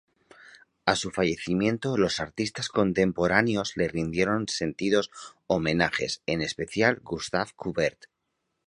A su fallecimiento, los artistas contemporáneos le rindieron sentidos homenajes, en especial Gustave Courbet.